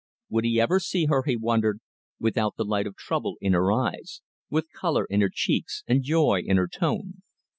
Would he ever see her, he wondered, without the light of trouble in her eyes, with colour in her cheeks, and joy in her tone?